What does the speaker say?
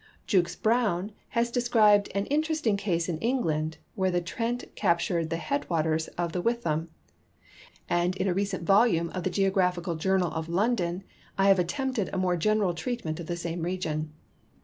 Jukes Brown has described an interesting case in England, where the Trent cap tured the headwaters of the Wytham, and in a recent volume of the Geographical Journal of London I have attempted a more general treatment of the same region.